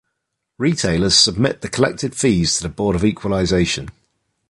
Retailers submit the collected fees to the Board of Equalization.